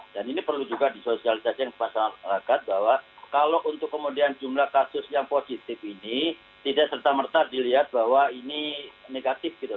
dan ini perlu juga di sosialitas yang pasang rakyat bahwa kalau untuk kemudian jumlah kasus yang positif ini tidak serta merta dilihat bahwa ini negatif gitu